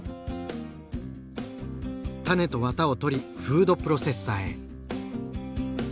タネとワタを取りフードプロセッサーへ。